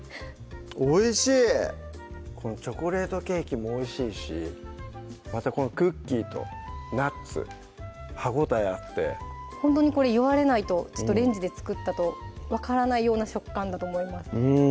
おいしいこのチョコレートケーキもおいしいしまたこのクッキーとナッツ歯応えあってほんとにこれ言われないとレンジで作ったと分からないような食感だと思います